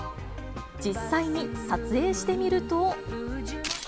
実際に撮影してみると。